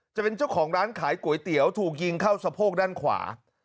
จะเป็นเจ้าของร้านขายก๋วยเตี๋ยวถูกยิงเข้าสะโพกด้านขวา